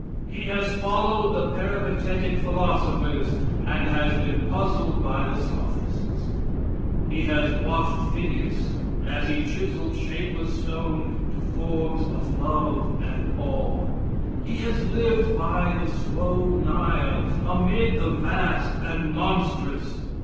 He has followed the peripatetic philosophers, and has been puzzled by the sophists. He has watched Phidias, as he chiseled shapeless stone to forms of love and awe. He has lived by the slow Nile, amid the vast and monstrous.